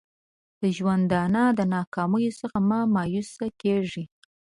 د ژوندانه د ناکامیو څخه مه مایوسه کېږه!